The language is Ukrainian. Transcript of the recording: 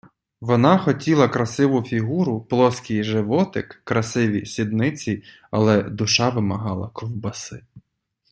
Вона хотіла красиву фігуру, плоский животик, красиві сідниці, але душа вимагала ковбаси.